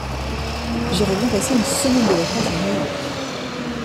J'irais bien passer une semaine de vacances à New-York.